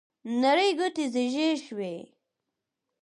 نرۍ ګوتې زیږې شوې